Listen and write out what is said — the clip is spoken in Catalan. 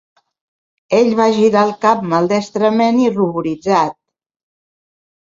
Ell va girar el cap maldestrament i ruboritzat.